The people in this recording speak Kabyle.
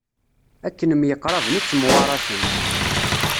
Akken myeqṛaben i ttemwaṛaten.